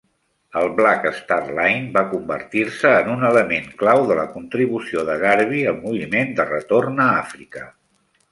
El "Black Star Line" va convertir-se en un element clau de la contribució de Garvey al moviment de retorn a Àfrica.